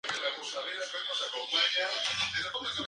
No sólo en Nueva Orleans se desarrolló una nueva música.